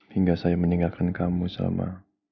hingga saya meninggalkan kamu sama